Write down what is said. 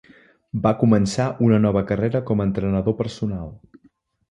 Va començar una nova carrera com a entrenador personal.